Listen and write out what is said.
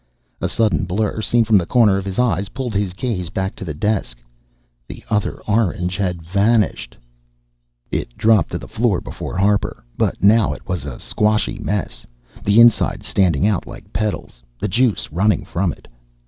A sudden blur seen from the corner of his eyes pulled his gaze back to the desk. The other orange had vanished. Phwup! It dropped to the floor before Harper, but now it was a squashy mess, the insides standing out like petals, the juice running from it.